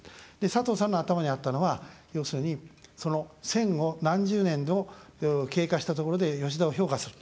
佐藤さんの頭にあったのは要するに戦後何十年経過したところで吉田を評価する。